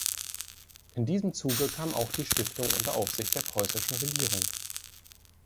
In diesem Zuge kam auch die Stiftung unter Aufsicht der Preußischen Regierung.